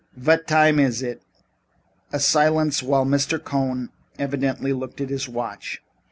Vot time iss it?" A silence while B. Cohn evidently looked at his watch.